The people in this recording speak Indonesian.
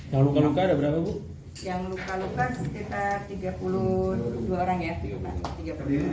yang luka luka ada berapa bu yang luka luka sekitar tiga puluh dua orang ya